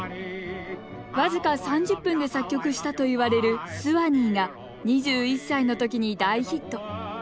僅か３０分で作曲したといわれる「スワニー」が２１歳の時に大ヒット。